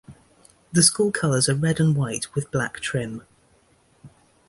The school colors are red and white with black trim.